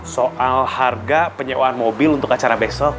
soal harga penyewaan mobil untuk acara besok